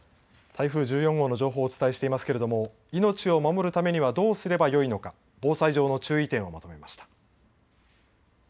台風１４号の情報をお伝えしていますけれども命を守るためにはどうすればよいのか防災上の注意点をまとめました。